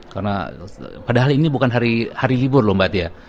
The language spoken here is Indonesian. karena padahal ini bukan hari libur loh mbak tia